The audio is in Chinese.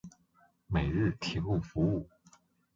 每日提供服务。